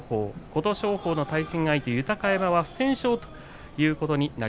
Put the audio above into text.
琴勝峰の対戦相手、豊山は不戦勝です。